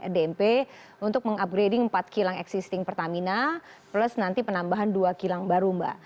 dmp untuk mengupgrading empat kilang existing pertamina plus nanti penambahan dua kilang baru mbak